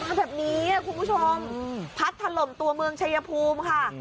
แบบนี้คุณผู้ชมพัดถล่มตัวเมืองชายภูมิค่ะ